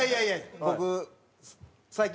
僕最近？